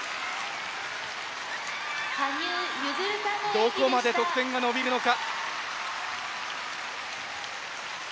どこまで得点が伸びるのか。